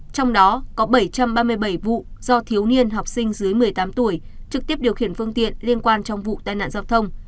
trong đó có bảy trăm ba mươi bảy vụ do thiếu niên học sinh dưới một mươi tám tuổi trực tiếp điều khiển phương tiện liên quan trong vụ tai nạn giao thông